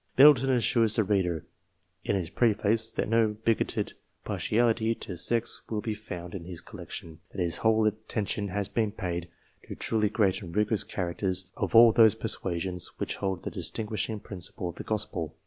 Middleton assures the reader, in his preface, that no bigoted partiality to sects will be found in his collection ; that his whole attention has been paid to truly great and gracious characters of all those persuasions which hold the distinguishing principles of the Gospel.